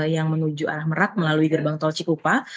yang menuju arah merak melalui gerbang tol cikupa